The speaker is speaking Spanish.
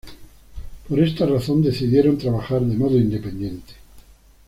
Por esta razón decidieron trabajar de modo independiente.